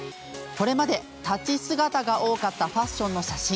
これまで、立ち姿が多かったファッションの写真。